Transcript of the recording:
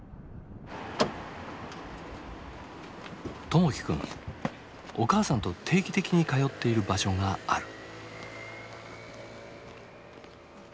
友輝くんお母さんと定期的に通っている場所がある。